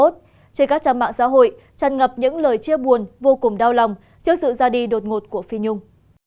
trên các trang mạng xã hội tràn ngập những lời chia buồn vô cùng đau lòng trước sự ra đi đột ngột của phi nhung